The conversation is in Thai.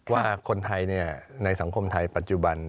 ว่าคนไทยในสังคมไทยปัจจุบัน